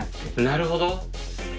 なるほど。